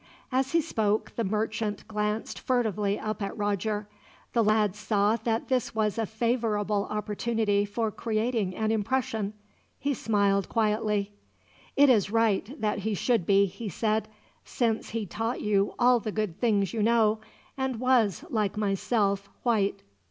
As he spoke, the merchant glanced furtively up at Roger. The lad saw that this was a favorable opportunity for creating an impression. He smiled quietly. "It is right that he should be," he said, "since he taught you all the good things you know; and was, like myself, white."